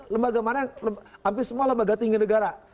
lembaga mana yang hampir semua lembaga tinggi negara